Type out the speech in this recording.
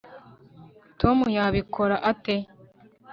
tom yabikora ate